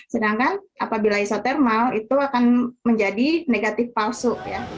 sedangkan apabila isotermal itu akan menjadi negatif palsu